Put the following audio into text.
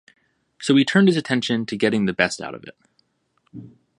So he turned his attention to getting the best out of it..